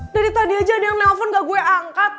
dari tadi aja ada yang nelfon gak gue angkat